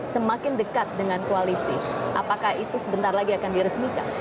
semakin dekat dengan koalisi apakah itu sebentar lagi akan diresmikan